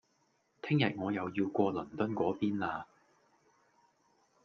聽日我又要過倫敦個邊喇